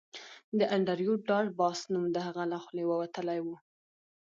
د انډریو ډاټ باس نوم د هغه له خولې وتلی و